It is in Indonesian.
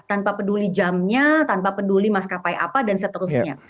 tanpa peduli jamnya tanpa peduli maskapai apa dan seterusnya